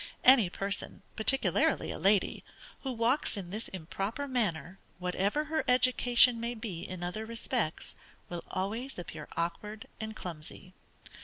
Any person, particularly a lady, who walks in this improper manner, whatever her education may be in other respects, will always appear awkward and clumsy.